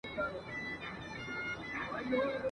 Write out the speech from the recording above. یو ستا سره مي مینه ولي ورځ په ورځ زیاتېږي !.